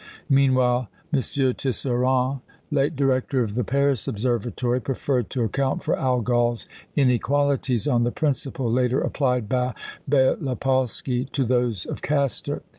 Meanwhile, M. Tisserand, late Director of the Paris Observatory, preferred to account for Algol's inequalities on the principle later applied by Bélopolsky to those of Castor.